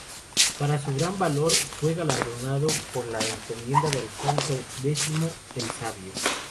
Por su gran valor fue galardonado con la Encomienda de Alfonso X el Sabio.